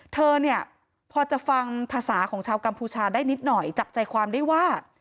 เธอเนี่ยพอจะฟังภาษาของชาวกัมพูชาได้นิดหน่อยจับใจความได้ว่า